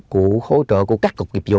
của hỗ trợ của các cục kịp dầu